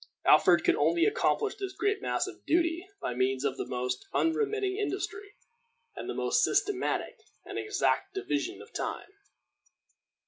Alfred could only accomplish this great mass of duty by means of the most unremitting industry, and the most systematic and exact division of time.